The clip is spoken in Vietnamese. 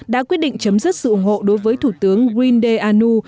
đã quyết định chấm dứt sự ủng hộ đối với thủ tướng rindeanu